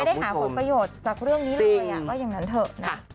ได้หาผลประโยชน์จากเรื่องนี้เลยว่าอย่างนั้นเถอะนะ